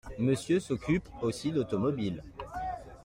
Monsieur s’occupe aussi d’automobile ?